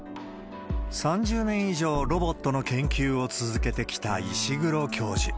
３０年以上、ロボットの研究を続けてきた石黒教授。